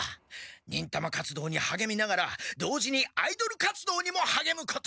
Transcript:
忍たま活動にはげみながら同時にアイドル活動にもはげむことを。